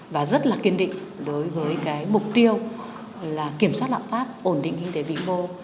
và rất là kiên định đối với cái mục tiêu kiểm soát lạm phát ổn định kinh tế vĩ mô